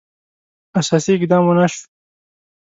اساسي اقدام ونه شو.